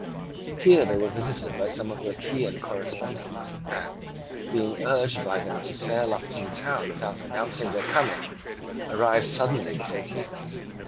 Here they were visited by some of their Chian correspondents and, being urged by them to sail up to the town without announcing their coming, arrived suddenly before Chios.